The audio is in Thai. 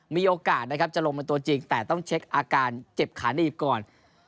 มีโอกาสนะครับจะลงเป็นตัวจริงแต่ต้องเช็คอาการเจ็บขาหนีบก่อน